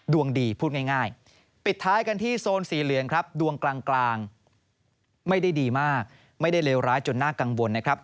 ดวงดีพูดง่ายปิดท้ายกันที่โซนสีเหลืองครับดวงกลางไม่ได้ดีมากไม่ได้เลวร้ายจนน่ากังวลนะครับ